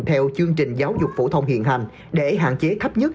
theo chương trình giáo dục phổ thông hiện hành để hạn chế thấp nhất